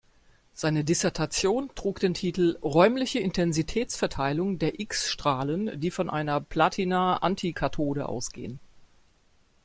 Seine Dissertation trug den Titel "Räumliche Intensitätsverteilung der X-Strahlen, die von einer Platina-Antikathode ausgehen".